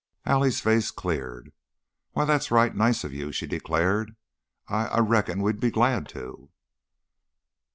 Allie's face cleared. "Why, that's right nice of you!" she declared. "I I reckon we'd be glad to."